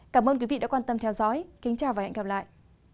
cảm ơn quý vị đã quan tâm theo dõi kính chào và hẹn gặp lại